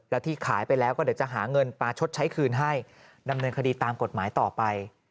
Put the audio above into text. แล้วที่ขายไปแล้วก็เดี๋ยวจะหาเงินมาชดใช้คืนให้ดำเนินคดีตามกฎหมายต่อไป